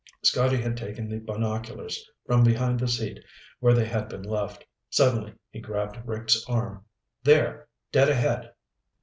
Scotty had taken the binoculars from behind the seat where they had been left. Suddenly he grabbed Rick's arm. "There. Dead ahead."